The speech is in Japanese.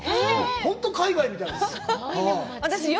本当海外みたいですよ。